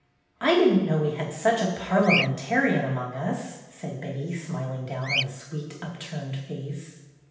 "I did n't know we had such a parliamen tarian among us," said Betty, smiling down on the sweet upturned face.